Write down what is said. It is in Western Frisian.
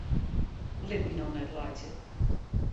Lit my no net laitsje!